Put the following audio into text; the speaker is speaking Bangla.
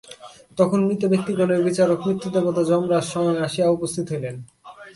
তখন মৃত ব্যক্তিগণের বিচারক মৃত্যুদেবতা যমরাজ স্বয়ং আসিয়া উপস্থিত হইলেন।